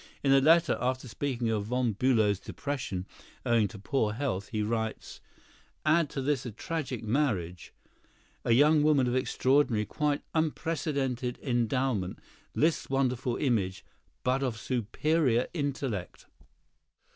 In a letter, after speaking of Von Bülow's depression owing to poor health, he writes: "Add to this a tragic marriage; a young woman of extraordinary, quite unprecedented, endowment, Liszt's wonderful image, but of superior intellect."